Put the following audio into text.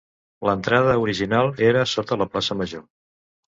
L'entrada original era sota la plaça major.